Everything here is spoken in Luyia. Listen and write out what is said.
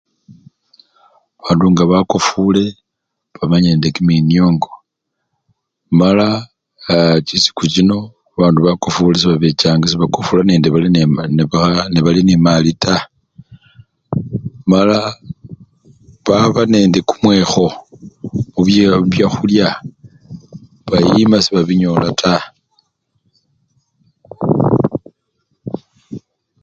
Bandu nga bakofule baba nende kiminyongo mala aa! chisiku chino babadu bakofule sebabechanga sebakofule nebali ne! nemali taa mala baba nende kumwekho mubye! mubyakhulya, babiyima sebabinyola taa.